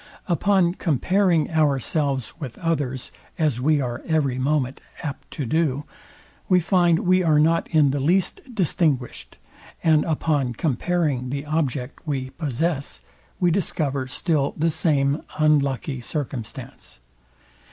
Upon comparing ourselves with others, as we are every moment apt to do, we find we are not in the least distinguished; and upon comparing the object we possess, we discover still the same unlucky circumstance.